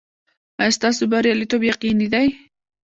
ایا ستاسو بریالیتوب یقیني دی؟